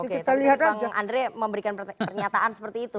oke tapi tadi bang andre memberikan pernyataan seperti itu